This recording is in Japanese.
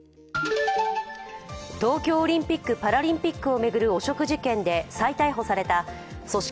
東京オリンピック・パラリンピックを巡る汚職事件で再逮捕された組織